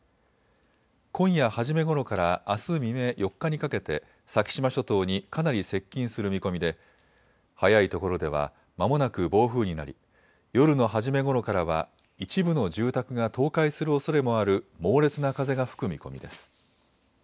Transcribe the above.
今夜初めごろからあす未明４日にかけて先島諸島にかなり接近する見込みで早いところではまもなく暴風になり夜の初めごろからは一部の住宅が倒壊するおそれもある猛烈な風が吹く見込みです。